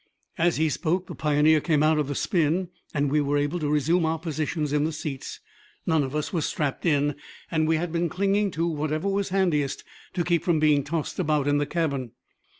As he spoke, the Pioneer came out of the spin, and we were able to resume our positions in the seats. None of us was strapped in, and we had been clinging to whatever was handiest to keep from being tossed about in the cabin.